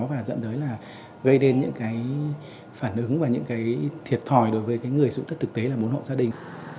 và dẫn tới là gây đến những phản ứng và những thiệt thòi đối với người sử dụng đất thực tế là bốn hộ gia đình